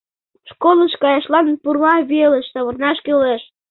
Школыш каяшлан пурла велыш савырнаш кӱлеш.